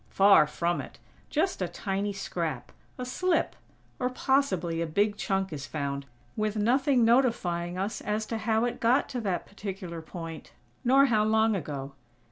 Far from it! Just a tiny scrap; a slip; or, possibly a big chunk is found, with nothing notifying us as to how it got to that particular point, nor how long ago.